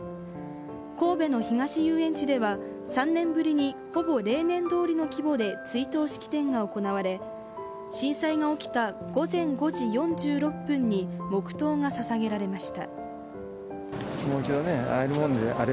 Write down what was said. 神戸の東遊園地では３年ぶりにほぼ例年どおりの規模で追悼式典が行われ震災が起きた午前５時４６分に黙とうがささげられました。